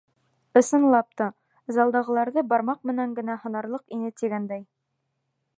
Ысынлап та, залдағыларҙы бармаҡ менән генә һанарлыҡ ине тигәндәй.